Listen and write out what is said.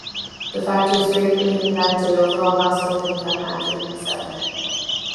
The factors greatly impacted overall household income after resettlement.